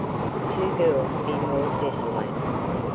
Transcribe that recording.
Could two girls be more desolate?